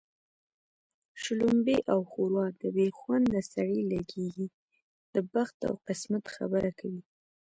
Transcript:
شلومبې او ښوروا د بې خونده سړي لږېږي د بخت او قسمت خبره کوي